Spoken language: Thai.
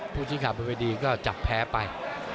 ภูชิขาบริเวณดีก็จับแพ้ไป